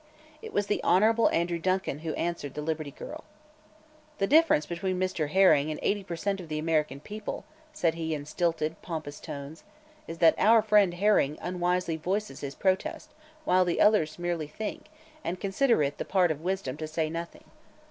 It was the Hon. Andrew Duncan who answered the Liberty Girl. "The difference between Mr. Herring and eighty percent of the American people," said he in stilted, pompous tones, "is that our friend Herring unwisely voices his protest, while the others merely think and consider it the part of wisdom to say nothing."